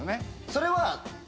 それは。